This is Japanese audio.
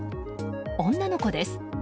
女の子です。